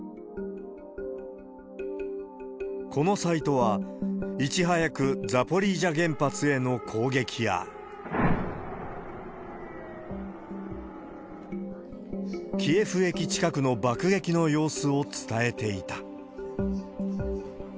このサイトは、いち早くザポリージャ原発への攻撃や、キエフ駅近くの爆撃の様子を伝えていた。